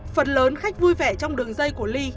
phần lớn khách vui vẻ trong đường dây của ly